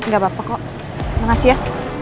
gak apa apa kok makasih ya